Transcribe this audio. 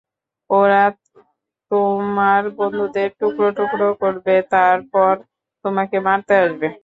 ওরা তোমার বন্ধুদের টুকরো টুকরো করবে, তারপর তোমাকে মারতে আসবে।